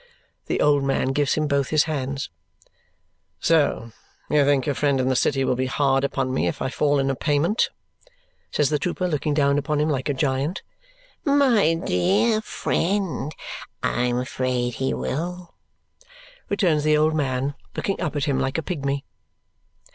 the old man gives him both his hands. "So you think your friend in the city will be hard upon me if I fall in a payment?" says the trooper, looking down upon him like a giant. "My dear friend, I am afraid he will," returns the old man, looking up at him like a pygmy.